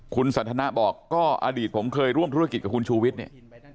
คุณสันทนาบอกก็อดีตผมเคยร่วมธุรกิจกับคุณชูวิทย์เนี่ย